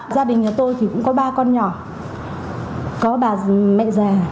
gia đình nhà tôi thì cũng có ba con nhỏ có bà mẹ già